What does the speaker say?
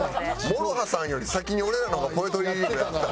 ＭＯＲＯＨＡさんより先に俺らの方がポエトリーリーディングやってた。